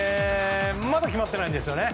まだ決まってないんですよね。